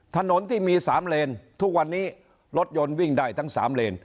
ถนนที่มี๓เลนทุกวันนี้รถยนต์วิ่งได้ทั้ง๓เลน